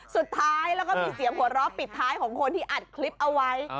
สุดท้ายแล้วก็มีเสียงหัวเราะปิดท้ายของคนที่อัดคลิปเอาไว้